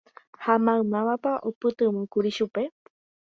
Ha mavamávapa oipytyvõkuri chupe.